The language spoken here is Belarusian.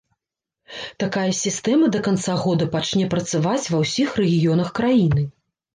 Такая сістэма да канца года пачне працаваць ва ўсіх рэгіёнах краіны.